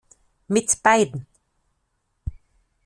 Mit beiden.